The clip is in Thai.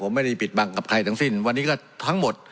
ผมไม่ได้ปิดบังกับใครทั้งสิ้นวันนี้ก็ทั้งหมด